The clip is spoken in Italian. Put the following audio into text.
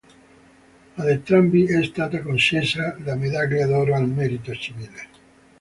Ad entrambi è stata concessa la medaglia d'oro al merito civile.